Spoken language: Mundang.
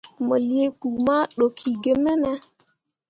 Mo lii kpu ma ɗokki ge mene ?